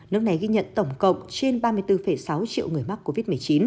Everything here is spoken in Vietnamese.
nước này ghi nhận tổng cộng trên ba mươi bốn sáu triệu người mắc covid một mươi chín